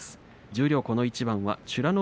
十両この一番は美ノ